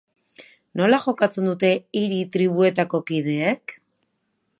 Nola jokatzen dute hiri-tribuetako kideek?